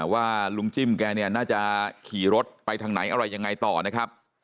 ว่าลุงจิ้มแกเนี่ยน่าจะขี่รถไปทางไหนอะไรยังไงต่อนะครับ